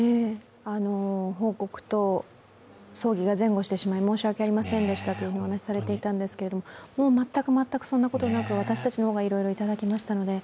報告と葬儀が前後してしまい申し訳ありませんでしたとお話しされていたんですけれども、全く全くそんなことなく、私たちの方がいろいろといただきましたので。